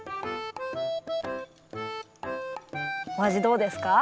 おあじどうですか？